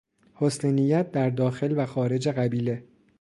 حسننیت در داخل و خارج قبیله